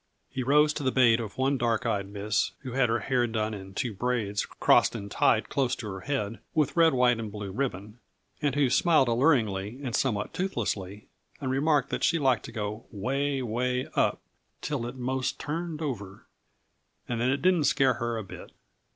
He rose to the bait of one dark eyed miss who had her hair done in two braids crossed and tied close to her head with red white and blue ribbon, and who smiled alluringly and somewhat toothlessly and remarked that she liked to go 'way, 'way up till it most turned over, and that it didn't scare her a bit.